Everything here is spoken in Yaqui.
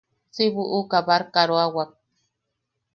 Si buʼuka barkaroawak.